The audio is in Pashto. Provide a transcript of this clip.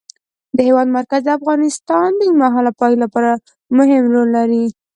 د هېواد مرکز د افغانستان د اوږدمهاله پایښت لپاره مهم رول لري.